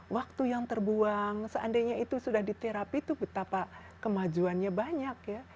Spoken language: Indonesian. waktu yang terbuang seandainya itu sudah diterapi itu betapa kemajuannya banyak ya